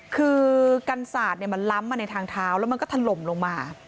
คือกันศาสตร์มันล้ำมาในทางเท้าแล้วมันก็ถล่มลงมา